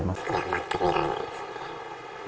全く見られないです。